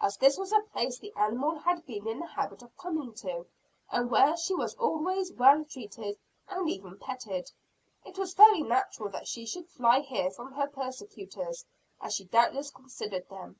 As this was a place the animal had been in the habit of coming to, and where she was always well treated and even petted, it was very natural that she should fly here from her persecutors, as she doubtless considered them.